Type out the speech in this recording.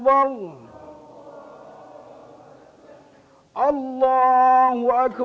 allah is already